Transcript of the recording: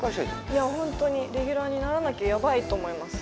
いや本当にレギュラーにならなきゃやばいと思います。